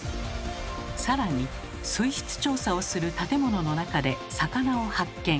更に水質調査をする建物の中で魚を発見。